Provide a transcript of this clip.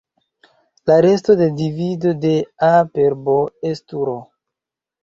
La resto de divido de "a" per "b" estu "r".